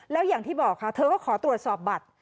แล้วอย่างที่บอกค่ะเธอก็ขอตรวจสอบบัตร